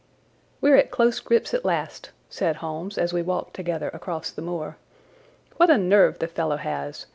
"We're at close grips at last," said Holmes as we walked together across the moor. "What a nerve the fellow has!